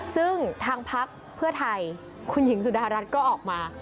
ซึ่งทางพักเพื่อไทยคุณหญิงสุดารัฐก็ออกมา